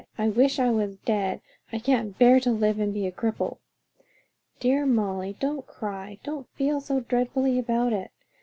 I wish I was dead! I can't bear to live and be a cripple!" "Dear Molly, don't cry, don't feel so dreadfully about it!"